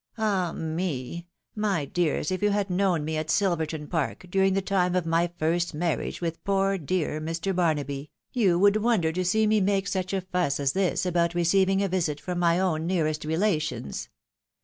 Ah me ! my dears, if you had known me at SUverton Park during the time of my first marriage with poor, dear Mr. Barnaby, you would wonder to see me make such a fuss as this about receiving a visit from my own nearest relations.